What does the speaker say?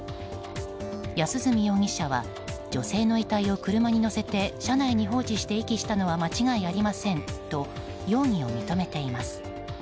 安栖容疑者は女性の遺体を車に載せて車内に放置して遺棄したのは間違いありませんと容疑を認めています。